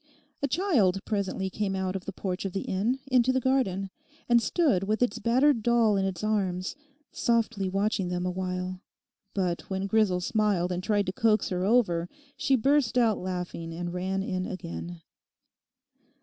A child presently came out of the porch of the inn into the garden, and stood with its battered doll in its arms, softly watching them awhile. But when Grisel smiled and tried to coax her over, she burst out laughing and ran in again.